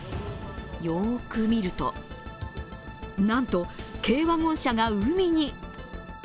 よく見るとなんと軽ワゴン車が海に。